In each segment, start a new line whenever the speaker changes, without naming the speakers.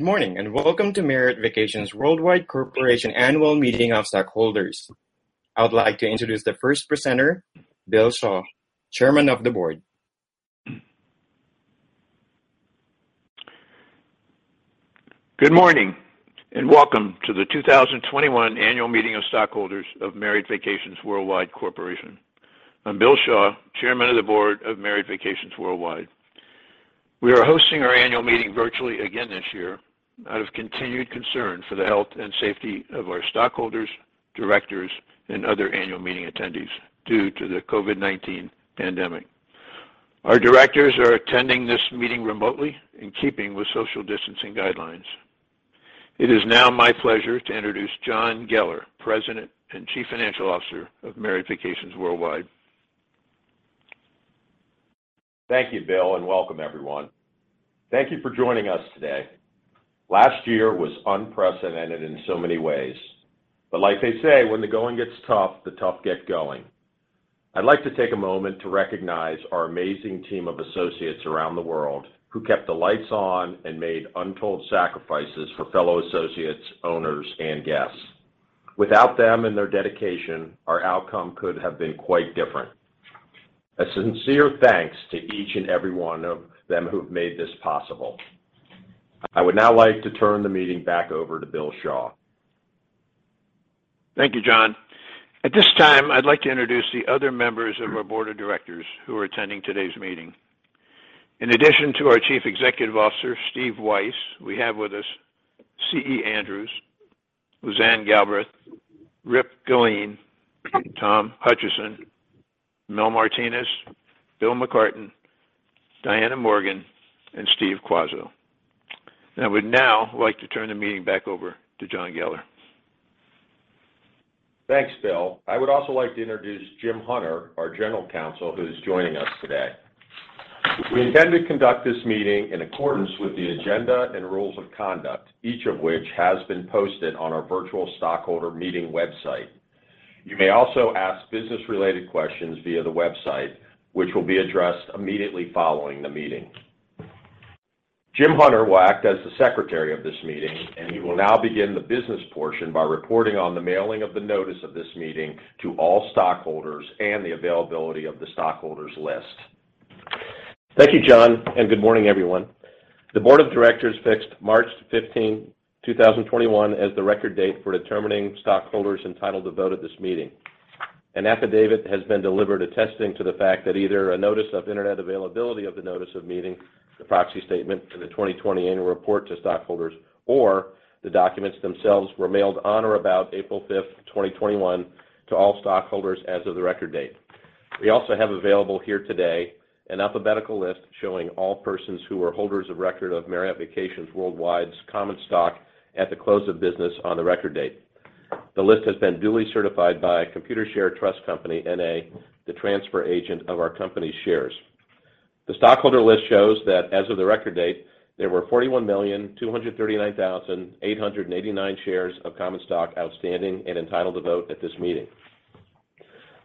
Good morning, and welcome to Marriott Vacations Worldwide Corporation Annual Meeting of Stockholders. I would like to introduce the first presenter, Bill Shaw, Chairman of the Board.
Good morning, welcome to the 2021 Annual Meeting of Stockholders of Marriott Vacations Worldwide Corporation. I'm Bill Shaw, Chairman of the Board of Marriott Vacations Worldwide. We are hosting our annual meeting virtually again this year out of continued concern for the health and safety of our stockholders, Directors, and other annual meeting attendees due to the COVID-19 pandemic. Our directors are attending this meeting remotely in keeping with social distancing guidelines. It is now my pleasure to introduce John Geller, President and Chief Financial Officer of Marriott Vacations Worldwide.
Thank you, Bill. Welcome everyone. Thank you for joining us today. Last year was unprecedented in so many ways. Like they say, when the going gets tough, the tough get going. I'd like to take a moment to recognize our amazing team of associates around the world who kept the lights on and made untold sacrifices for fellow associates, owners, and guests. Without them and their dedication, our outcome could have been quite different. A sincere thanks to each and every one of them who have made this possible. I would now like to turn the meeting back over to Bill Shaw.
Thank you, John. At this time, I'd like to introduce the other members of our Board of Directors who are attending today's meeting. In addition to our Chief Executive Officer, Steve Weisz, we have with us C.E. Andrews, Lizanne Galbreath, Raymond Gellein, Tom Hutchison, Mel Martinez, Will McCarten, Dianna Morgan, and Steve Quazzo. I would now like to turn the meeting back over to John Geller.
Thanks, Bill. I would also like to introduce James H. Hunter IV, our General Counsel, who is joining us today. We intend to conduct this meeting in accordance with the agenda and rules of conduct, each of which has been posted on our virtual stockholder meeting website. You may also ask business-related questions via the website, which will be addressed immediately following the meeting. Jim Hunter will act as the secretary of this meeting, and he will now begin the business portion by reporting on the mailing of the notice of this meeting to all stockholders and the availability of the stockholders list.
Thank you, John, and good morning, everyone. The board of directors fixed March 15, 2021, as the record date for determining stockholders entitled to vote at this meeting. An affidavit has been delivered attesting to the fact that either a notice of Internet availability of the notice of meeting, the proxy statement for the 2020 annual report to stockholders, or the documents themselves were mailed on or about April 5th, 2021 to all stockholders as of the record date. We also have available here today an alphabetical list showing all persons who are holders of record of Marriott Vacations Worldwide's common stock at the close of business on the record date. The list has been duly certified by Computershare Trust Company, N.A., the transfer agent of our company's shares. The stockholder list shows that as of the record date, there were 41,239,889 shares of common stock outstanding and entitled to vote at this meeting.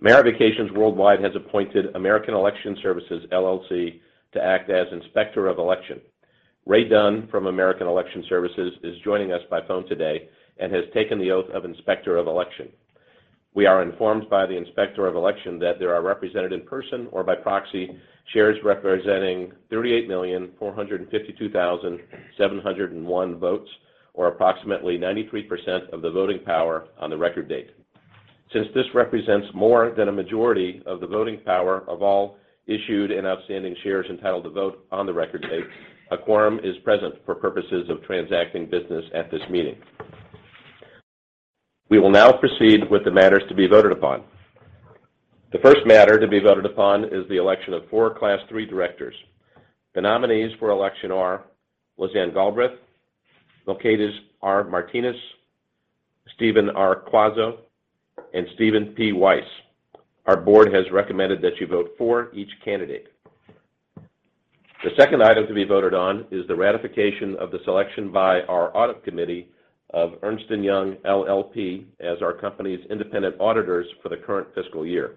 Marriott Vacations Worldwide has appointed American Election Services, LLC to act as Inspector of Election. Ray Dunn from American Election Services is joining us by phone today and has taken the oath of Inspector of Election. We are informed by the Inspector of Election that there are represented in person or by proxy shares representing 38,452,701 votes, or approximately 93% of the voting power on the record date. Since this represents more than a majority of the voting power of all issued and outstanding shares entitled to vote on the record date, a quorum is present for purposes of transacting business at this meeting. We will now proceed with the matters to be voted upon. The first matter to be voted upon is the election of four Class III directors. The nominees for election are Lizanne Galbreath, Melquiades R. Martinez, Stephen R. Quazzo, and Stephen P. Weisz. Our board has recommended that you vote for each candidate. The second item to be voted on is the ratification of the selection by our Audit Committee of Ernst & Young LLP as our company's independent auditors for the current fiscal year.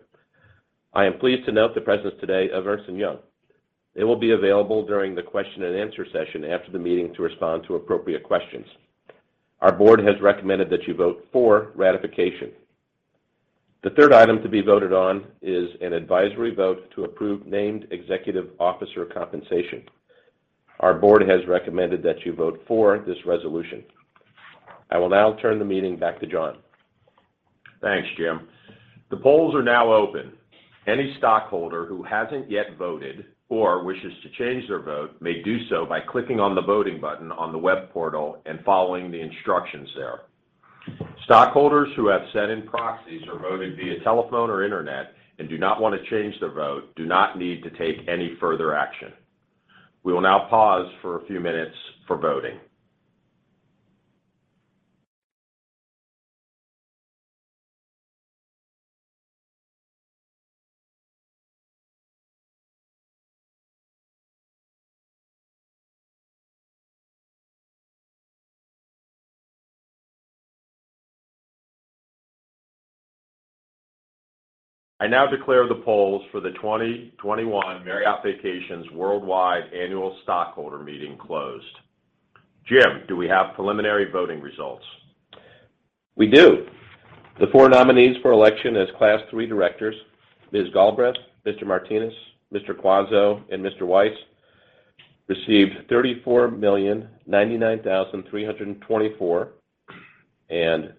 I am pleased to note the presence today of Ernst & Young. They will be available during the question and answer session after the meeting to respond to appropriate questions. Our board has recommended that you vote for ratification. The third item to be voted on is an advisory vote to approve named executive officer compensation. Our board has recommended that you vote for this resolution. I will now turn the meeting back to John.
Thanks, Jim. The polls are now open. Any stockholder who hasn't yet voted or wishes to change their vote may do so by clicking on the voting button on the web portal and following the instructions there. Stockholders who have sent in proxies or voting via telephone or internet and do not want to change their vote do not need to take any further action. We will now pause for a few minutes for voting. I now declare the polls for the 2021 Marriott Vacations Worldwide annual stockholder meeting closed. Jim, do we have preliminary voting results?
We do. The four nominees for election as Class III directors, Ms. Galbreath, Mr. Martinez, Mr. Quazzo, and Mr. Weisz, received 34,099,324 and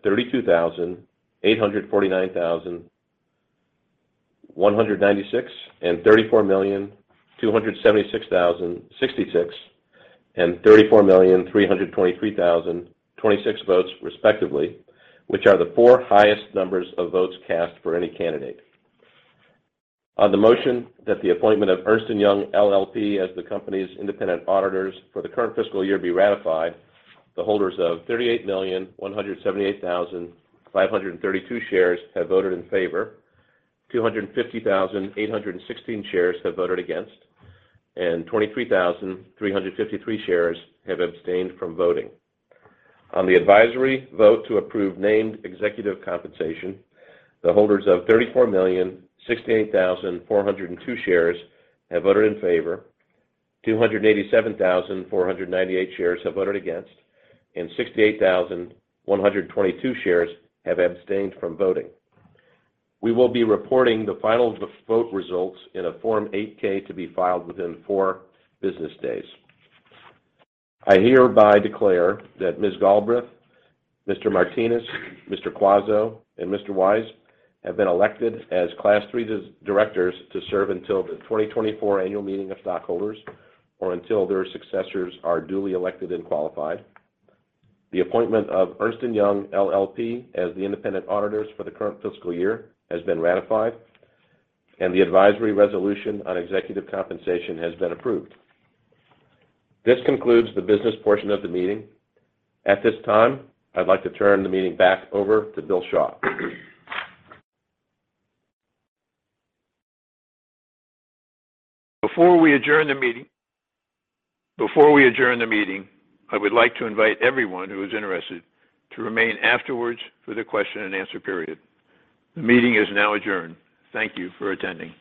32,849,196 and 34,276,066 and 34,323,026 votes respectively, which are the four highest numbers of votes cast for any candidate. On the motion that the appointment of Ernst & Young LLP as the company's independent auditors for the current fiscal year be ratified, the holders of 38,178,532 shares have voted in favor, 250,816 shares have voted against, and 23,353 shares have abstained from voting. On the advisory vote to approve named executive compensation, the holders of 34,068,402 shares have voted in favor, 287,498 shares have voted against, and 68,122 shares have abstained from voting. We will be reporting the final vote results in a Form 8-K to be filed within four business days. I hereby declare that Ms. Galbreath, Mr. Martinez, Mr. Quazzo, and Mr. Weisz have been elected as Class III directors to serve until the 2024 annual meeting of stockholders or until their successors are duly elected and qualified. The appointment of Ernst & Young LLP as the independent auditors for the current fiscal year has been ratified, and the advisory resolution on executive compensation has been approved. This concludes the business portion of the meeting. At this time, I'd like to turn the meeting back over to Bill Shaw.
Before we adjourn the meeting, I would like to invite everyone who is interested to remain afterwards for the question-and-answer period. The meeting is now adjourned. Thank you for attending.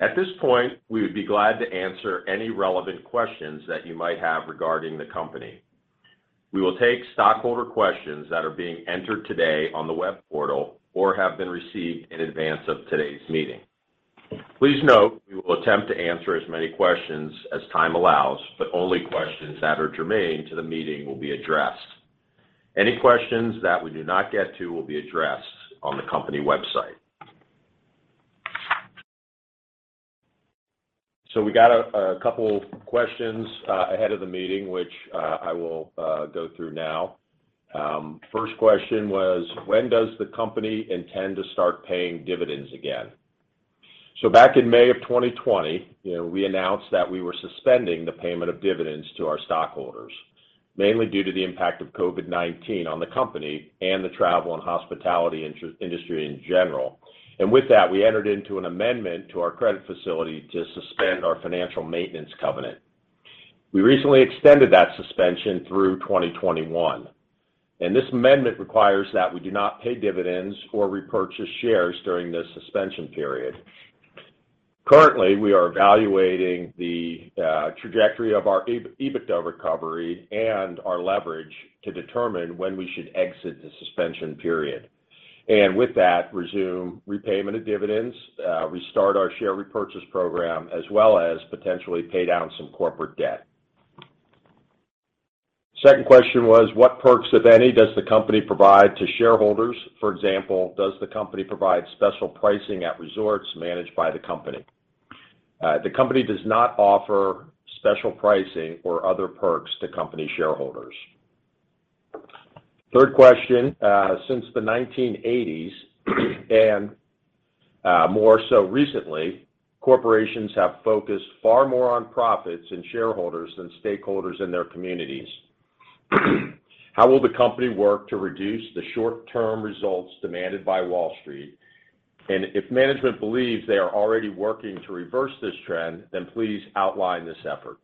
At this point, we would be glad to answer any relevant questions that you might have regarding the company. We will take stockholder questions that are being entered today on the web portal or have been received in advance of today's meeting. Please note we will attempt to answer as many questions as time allows, but only questions that are germane to the meeting will be addressed. Any questions that we do not get to will be addressed on the company website. We got a couple questions ahead of the meeting, which I will go through now. First question was, "When does the company intend to start paying dividends again?" Back in May of 2020, we announced that we were suspending the payment of dividends to our stockholders, mainly due to the impact of COVID-19 on the company and the travel and hospitality industry in general. With that, we entered into an amendment to our credit facility to suspend our financial maintenance covenant. We recently extended that suspension through 2021, and this amendment requires that we do not pay dividends or repurchase shares during this suspension period. Currently, we are evaluating the trajectory of our EBITDA recovery and our leverage to determine when we should exit the suspension period and with that, resume repayment of dividends, restart our share repurchase program, as well as potentially pay down some corporate debt. Second question was, "What perks, if any, does the company provide to shareholders? For example, does the company provide special pricing at resorts managed by the company?" The company does not offer special pricing or other perks to company shareholders. Third question, "Since the 1980s and more so recently, corporations have focused far more on profits and shareholders than stakeholders in their communities. How will the company work to reduce the short-term results demanded by Wall Street? If management believes they are already working to reverse this trend, then please outline this effort.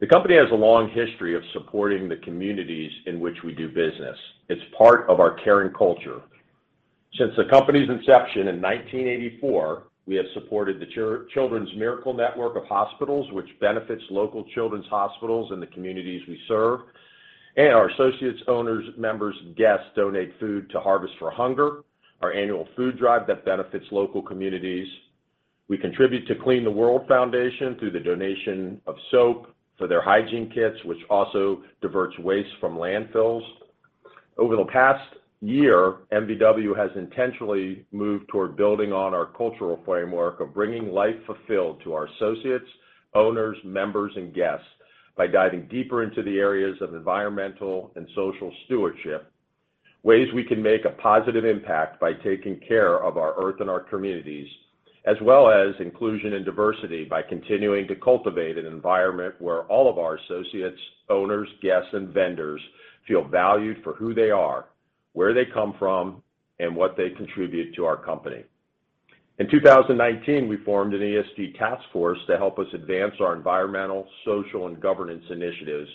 The company has a long history of supporting the communities in which we do business. It's part of our caring culture. Since the company's inception in 1984, we have supported the Children's Miracle Network Hospitals, which benefits local children's hospitals in the communities we serve. Our associates, owners, members, and guests donate food to Harvest for Hunger, our annual food drive that benefits local communities. We contribute to Clean the World Foundation through the donation of soap for their hygiene kits, which also diverts waste from landfills. Over the past year, MVW has intentionally moved toward building on our cultural framework of bringing life fulfilled to our associates, owners, members, and guests by diving deeper into the areas of environmental and social stewardship, ways we can make a positive impact by taking care of our earth and our communities, as well as inclusion and diversity by continuing to cultivate an environment where all of our associates, owners, guests, and vendors feel valued for who they are, where they come from, and what they contribute to our company. In 2019, we formed an ESG task force to help us advance our environmental, social, and governance initiatives,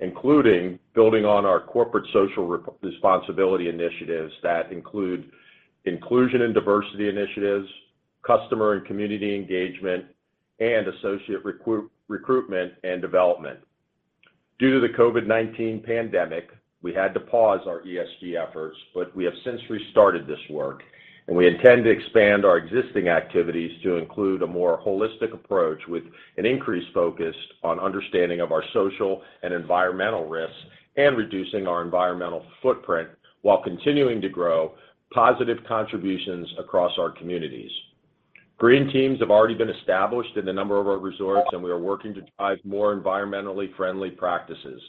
including building on our corporate social responsibility initiatives that include inclusion and diversity initiatives, customer and community engagement, and associate recruitment and development. Due to the COVID-19 pandemic, we had to pause our ESG efforts, but we have since restarted this work, and we intend to expand our existing activities to include a more holistic approach with an increased focus on understanding of our social and environmental risks and reducing our environmental footprint while continuing to grow positive contributions across our communities. Green teams have already been established in a number of our resorts, and we are working to drive more environmentally friendly practices.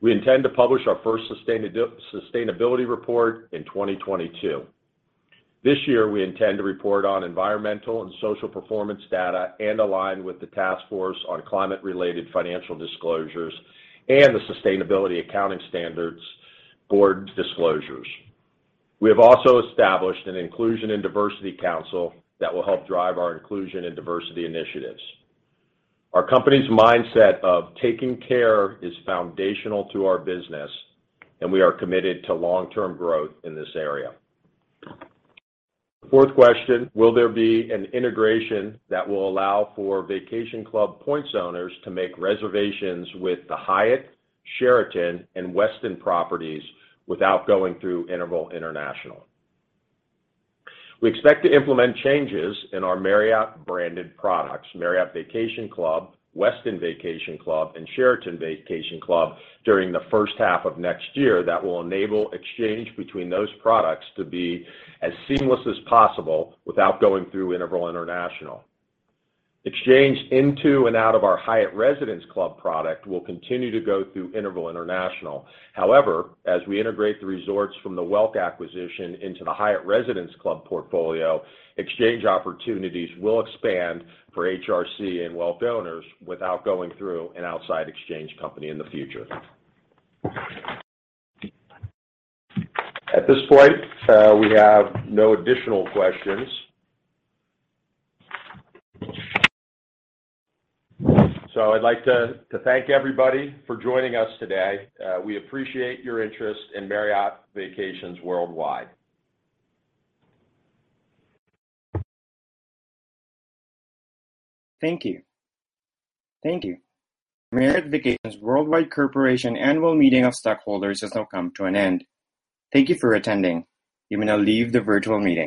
We intend to publish our first sustainability report in 2022. This year, we intend to report on environmental and social performance data and align with the Task Force on Climate-related Financial Disclosures and the Sustainability Accounting Standards Board disclosures. We have also established an inclusion and diversity council that will help drive our inclusion and diversity initiatives. Our company's mindset of taking care is foundational to our business, and we are committed to long-term growth in this area. The fourth question: Will there be an integration that will allow for Vacation Club points owners to make reservations with the Hyatt, Sheraton, and Westin properties without going through Interval International? We expect to implement changes in our Marriott-branded products, Marriott Vacation Club, Westin Vacation Club, and Sheraton Vacation Club, during the first half of next year that will enable exchange between those products to be as seamless as possible without going through Interval International. Exchange into and out of our Hyatt Residence Club product will continue to go through Interval International. As we integrate the resorts from the Welk acquisition into the Hyatt Residence Club portfolio, exchange opportunities will expand for HRC and Welk owners without going through an outside exchange company in the future. At this point, we have no additional questions. I'd like to thank everybody for joining us today. We appreciate your interest in Marriott Vacations Worldwide. Thank you. The Marriott Vacations Worldwide Corporation Annual Meeting of Stockholders has now come to an end. Thank you for attending. You may now leave the virtual meeting.